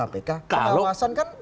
pengawasan kan wajar saja